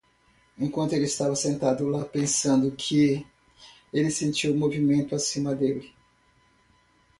Enquanto ele estava sentado lá pensando que? ele sentiu o movimento acima dele.